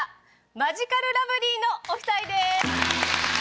マヂカルラブリーのお２人です。